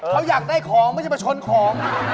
เขาอยากได้ของไม่ใช่มาชนของ